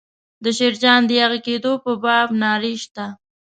د شیرجان د یاغي کېدو په باب نارې شته.